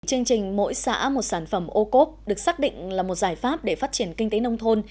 chương trình mỗi xã một sản phẩm ô cốp được xác định là một giải pháp để phát triển kinh tế nông thôn